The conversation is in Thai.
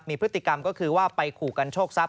มีพฤติกรรมก็คือว่าไปขู่กันโชคทรัพ